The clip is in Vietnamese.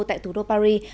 tại thủ đô paris